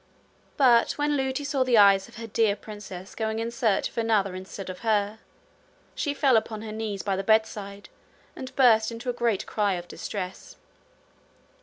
But when Lootie saw the eyes of her dear princess going in search of another instead of her, she fell upon her knees by the bedside, and burst into a great cry of distress.